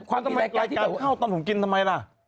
รายการเข้าตอนผมกินทำไมล่ะ